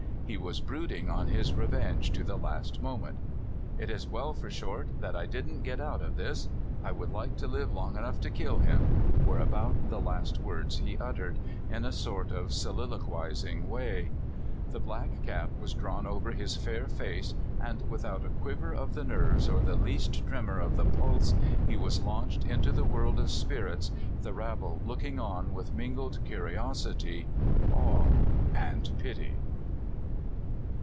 He was brooding on his revenge to the last moment. *' It is well for Short that I didn't get out of this — I would like to live long enough to kill him!" were about the last words he uttered, in a sort of soliloquizing way. The black cap was drawn over his fair face, and without a quiver of the nerves or the least tremor of the pulse he was launched into the world of spirits, the rabble looking on with mingled curios ity, awe, and pity.